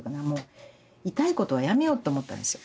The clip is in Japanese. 痛いことはやめようって思ったんですよ。